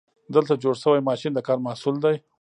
دلته جوړ شوی ماشین د کار محصول دی.